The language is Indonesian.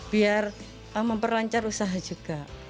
biar memperlancar usaha juga